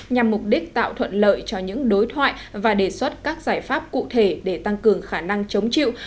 nhằm mục đích tạo thuận lợi cho những đối thoại và đề xuất các giải pháp cụ thể để tăng cường khả năng chống chịu